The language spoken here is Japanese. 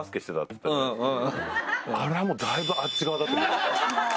あれはもうだいぶあっち側だと思いました。